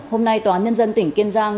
hôm nay tòa nhân dân tỉnh kiên giang